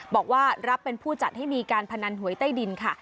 บอกว่ารับเป็นผู้จัดให้มีการพนันหวยใต้ดินค่ะ